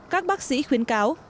các bác sĩ khuyến cáo